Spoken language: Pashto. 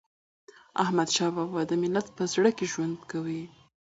احمدشاه بابا د ملت په زړه کي ژوندی دی.